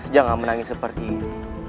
jangan menangis seperti ini